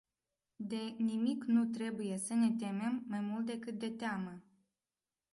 De nimic nu trebuie să ne temem mai mult decât de teamă.